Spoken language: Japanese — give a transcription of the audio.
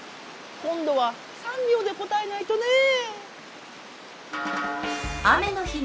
今度は３秒で答えないとねえ。